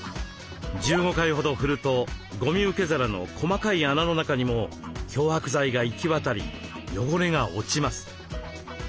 １５回ほど振るとごみ受け皿の細かい穴の中にも漂白剤が行き渡り汚れが落ちます。